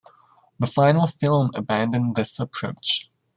The final film abandoned this approach.